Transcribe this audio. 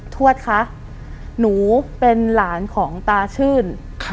ทวดคะหนูเป็นหลานของตาชื่น